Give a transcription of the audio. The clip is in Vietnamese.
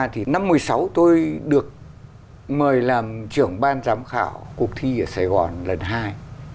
thì năm một mươi sáu tôi được mời làm trưởng ban giám khảo cuộc thi ở sài gòn lần hai